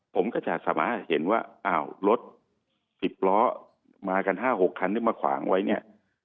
ผมก็จะสามารถเห็นว่ารถ๑๐ล้อมากัน๕๖คันนึกมาขวางไว้